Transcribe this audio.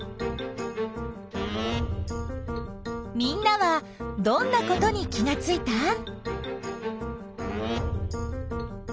みんなはどんなことに気がついた？